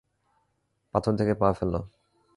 পাথর দেখে পা ফেল।